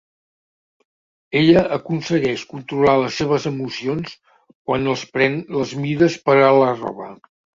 Ella aconsegueix controlar les seves emocions quan els pren les mides per a la roba.